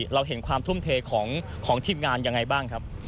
เราเห็นความทุ่มเทของทีมงานยังไงบ้างครับ